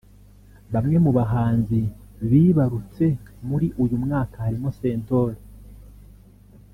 Bamwe mu bahanzi bibarutse muri uyu mwaka harimo Sentore